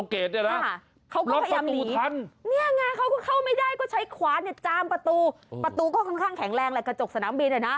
ค่ะเจ้าหน้าที่ก็วิ่งตามติดป่าวรอ